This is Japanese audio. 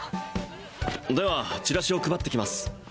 ではチラシを配ってきます